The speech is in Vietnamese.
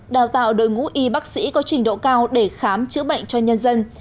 đào tạo đội ngũ y bác sĩ có trình độ cao để khám chữa bệnh cho nhân dân